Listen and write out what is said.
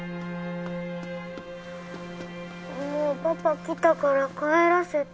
もうパパ来たから帰らせて。